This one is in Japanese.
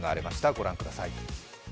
ご覧ください。